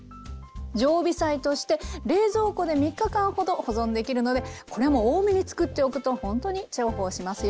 常備菜として冷蔵庫で３日間ほど保存できるのでこれも多めにつくっておくとほんとに重宝しますよ。